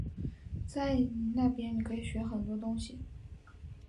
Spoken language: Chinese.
在那边你可以学很多东西